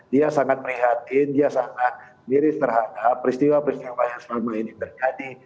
dia sangat prihatin dia sangat miris terhadap peristiwa peristiwa yang selama ini terjadi